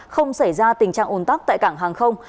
không xảy ra tình trạng ồn tắc tại cảng hàng không